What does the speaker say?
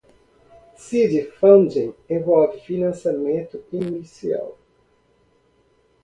Seed Funding envolve financiamento inicial.